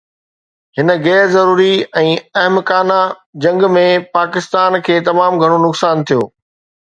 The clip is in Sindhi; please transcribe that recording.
هن غير ضروري ۽ احمقانه جنگ ۾ پاڪستان کي تمام گهڻو نقصان ٿيو.